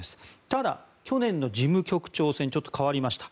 ただ、去年の事務局長選ちょっと変わりました。